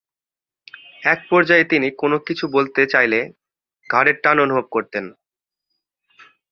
এক পর্যায়ে তিনি কোন কিছু বলতে চাইলে ঘাড়ের টান অনুভব করেন।